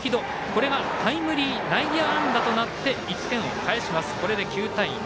これがタイムリー内野安打となって１点を返します、９対２。